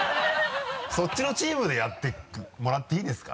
そっちのチームでやってもらっていいですか？